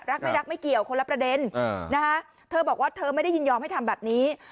รักไม่รักไม่เกี่ยวคนละประเด็นนะคะเธอบอกว่าเธอไม่ได้ยินยอมให้ทำแบบนี้